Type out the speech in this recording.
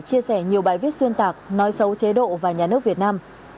chia sẻ nhiều bài viết xuyên tạc nói xấu chế độ và nhà nước việt nam